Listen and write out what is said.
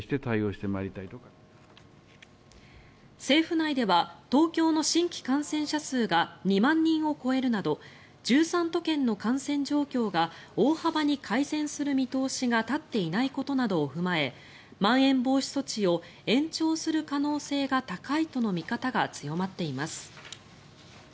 政府内では東京の新規感染者数が２万人を超えるなど１３都県の感染状況が大幅に改善する見通しが立っていないことなどを踏まえまん延防止措置を延長する可能性が高いとの見方が強まっています。